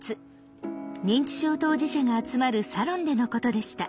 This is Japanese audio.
認知症当事者が集まるサロンでのことでした。